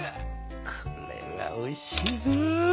これはおいしいぞ。